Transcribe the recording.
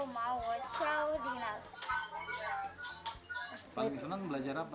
paling senang belajar apa di sini